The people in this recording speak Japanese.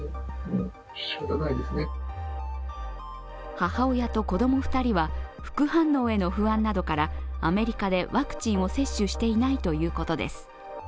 母親と子供２人は副反応への不安などからアメリカでワクチンを接種していないということです。